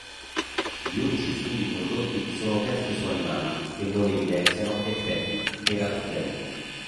Gli unici studi condotti sono test su animali che non evidenziano effetti teratogeni.